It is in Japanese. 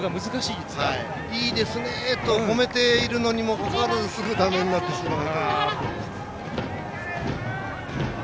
いいですね！と褒めているのにもかかわらずすぐにだめになってしまう。